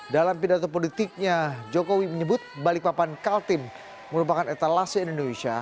dalam pidato politiknya jokowi menyebut balikpapan kaltim merupakan etalase indonesia